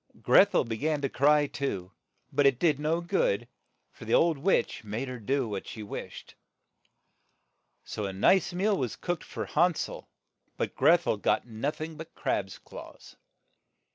Greth el be gan to cry, too, but it did no good, for the old witch made her do as she wished. So a nice meal was cooked for Han sel, but Greth el got noth ing but crab's claws.